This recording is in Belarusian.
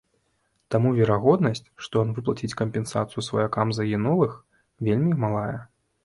Таму верагоднасць, што ён выплаціць кампенсацыю сваякам загінулых, вельмі малая.